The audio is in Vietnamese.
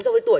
so với tuổi